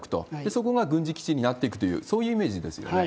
そこが軍事基地になっていくと、そういうイメージですよね。